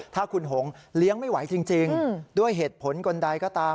ถ้าคุณหงเลี้ยงไม่ไหวจริงด้วยเหตุผลคนใดก็ตาม